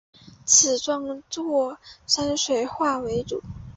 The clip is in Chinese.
以创作山水画为主。